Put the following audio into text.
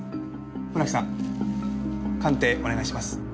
村木さん鑑定お願いします。